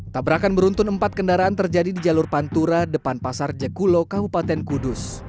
tabrakan beruntun empat kendaraan terjadi di jalur pantura depan pasar jekulo kabupaten kudus